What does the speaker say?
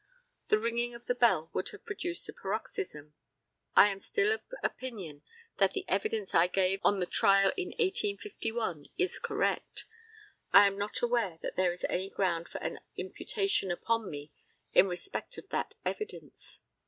The ringing of the bell would have produced a paroxysm. I am still of opinion that the evidence I gave on the trial in 1851 is correct. I am not aware that there is any ground for an imputation upon me in respect of that evidence.